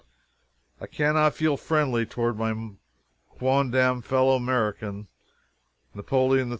I cannot feel friendly toward my quondam fellow American, Napoleon III.